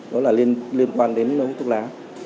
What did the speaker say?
đó là liên quan đến hút thuốc lá